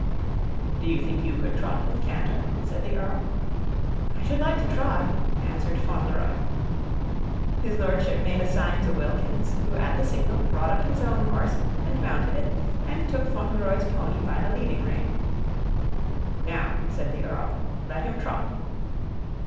"Do you think you could trot and canter?" said the Earl. "I should like to try," answered Fauntleroy. His lordship made a sign to Wilkins, who at the signal brought up his own horse and mounted it and took Fauntleroy's pony by the leading rein. "Now," said the Earl, "let him trot."